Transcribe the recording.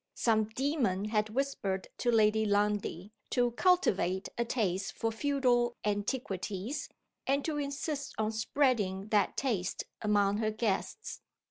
Some demon had whispered to Lady Lundie to cultivate a taste for feudal antiquities, and to insist on spreading that taste among her guests.